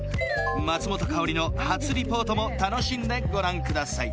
松本薫の初リポートも楽しんでご覧ください